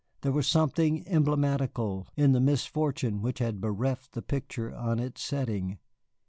There was something emblematical in the misfortune which had bereft the picture of its setting.